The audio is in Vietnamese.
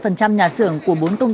nhà sưởng của bộ phòng